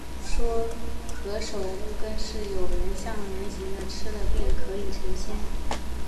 有人说，何首乌根是有像人形的，吃了便可以成仙